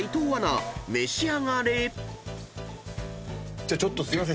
じゃあちょっとすいません。